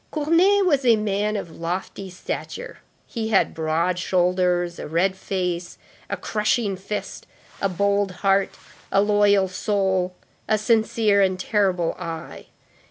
Cournet was a man of lofty stature; he had broad shoulders, a red face, a crushing fist, a bold heart, a loyal soul, a sincere and terrible eye.